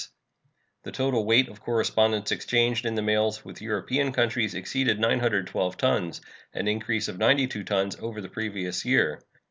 86. The total weight of correspondence exchanged in the mails with European countries exceeded 912 tons, an increase of 92 tons over the previous year.